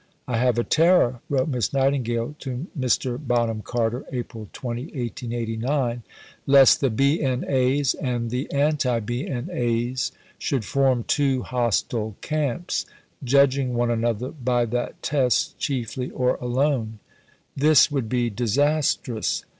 "I have a terror," wrote Miss Nightingale to Mr. Bonham Carter (April 20, 1889), "lest the B.N.A.'s and the anti B.N.A.'s should form two hostile camps, judging one another by that test chiefly or alone. This would be disastrous.